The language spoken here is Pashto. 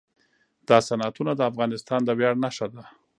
دا صنعتونه د افغانستان د ویاړ نښه ده.